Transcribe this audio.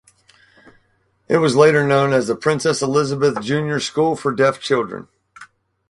It was later known as the Princess Elizabeth Junior School for Deaf Children.